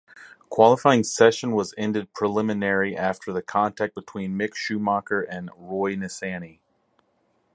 Qualifying session was ended preliminary after the contact between Mick Schumacher and Roy Nissany.